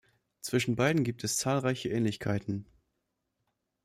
Zwischen beiden gibt es zahlreiche Ähnlichkeiten.